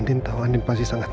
sekarang rayna cantik banget